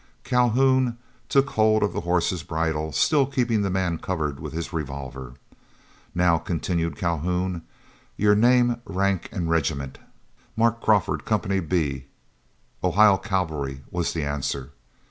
Calhoun took hold of the horse's bridle, still keeping the man covered with his revolver. "Now," continued Calhoun, "your name, rank, and regiment." "Mark Crawford, Captain Company B, —th Ohio Cavalry," was the answer.